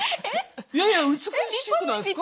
いやいや美しくないですか？